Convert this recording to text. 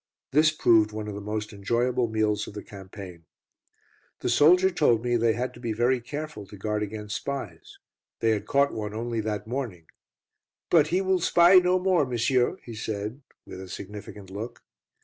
This proved one of the most enjoyable meals of the campaign. The soldier told me they had to be very careful to guard against spies. They had caught one only that morning, "but he will spy no more, monsieur," he said, with a significant look.